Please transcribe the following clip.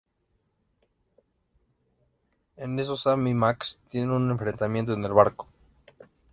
En eso Sam y Max tienen un enfrentamiento en el barco.